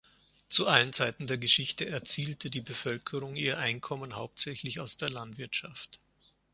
Zu allen Zeiten der Geschichte erzielte die Bevölkerung ihr Einkommen hauptsächlich aus der Landwirtschaft.